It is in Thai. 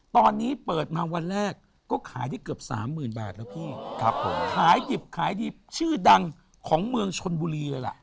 ตอนนี้เปิดมาวันแรกก็ขายได้เกือบสามหมื่นบาทแล้วพี่ครับผมขายดิบขายดีชื่อดังของเมืองชนบุรีเลยล่ะ